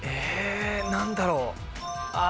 何だろう？